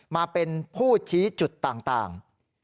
มาเป็นผู้ชี้จุดต่าง